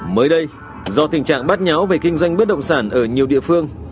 mới đây do tình trạng bát nháo về kinh doanh bất động sản ở nhiều địa phương